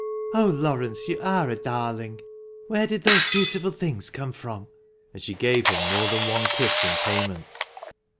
" Oh, Laurence, you are a darling ! Where did those beautiful things come from ?" and she gave him more than one kiss in payment.